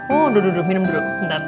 oh duduk duduk minum dulu